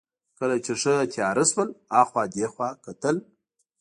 کله چې ښه تېاره شول، اخوا دېخوا کتل.